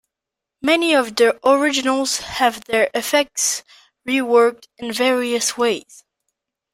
Many of the originals have their effects reworked in various ways.